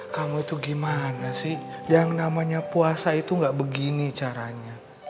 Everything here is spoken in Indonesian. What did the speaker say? kamu itu gimana sih yang namanya puasa itu gak begini caranya